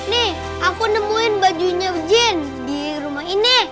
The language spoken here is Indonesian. nih aku nemuin bajunya jeans di rumah ini